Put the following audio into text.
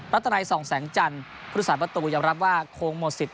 ลัตนัยส่องแสงจันทร์พรุษศาสตร์พัตรูยังรับว่าคงหมดสิทธิ์